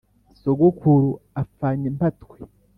Sogokuru apfanye impatwe-